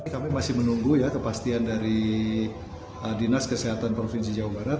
kami masih menunggu ya kepastian dari dinas kesehatan provinsi jawa barat